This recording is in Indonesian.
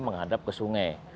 menghadap ke sungai